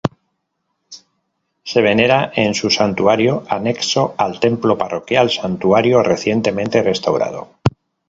Se venera en su Santuario, Anexo al Templo Parroquial Santuario recientemente restaurado.